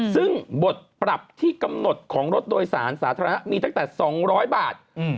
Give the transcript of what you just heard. ซึ่งบทปรับที่กำหนดของรถโดยสารสาธารณะมีตั้งแต่๒๐๐บาท